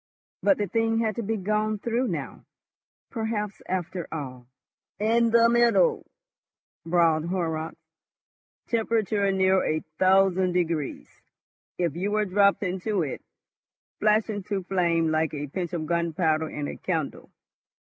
But the thing had to be gone through now. Perhaps, after all ... "In the middle," bawled Horrocks, "temperature near a thousand degrees. If you were dropped into it .... flash into flame like a pinch of gunpowder in a candle.